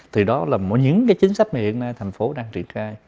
thì đó là những cái chính sách mà hiện nay thành phố đang triển khai